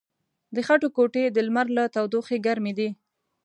د خټو کوټې د لمر له تودوخې ګرمې دي.